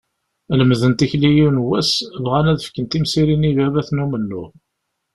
Lemden tikli yiwen wass, bɣan ad fken timsirin i ibabaten n umennuɣ.